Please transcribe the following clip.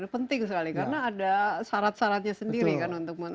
penting sekali karena ada syarat syaratnya sendiri kan untuk menentukan